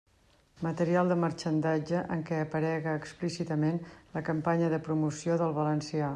Material de marxandatge en què aparega explícitament la campanya de promoció del valencià.